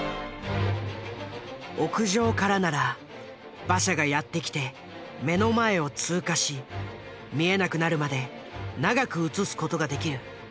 屋上からなら馬車がやってきて目の前を通過し見えなくなるまで長く映す事ができる。